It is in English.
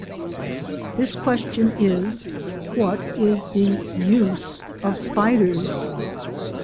This question is: What is the use of spiders?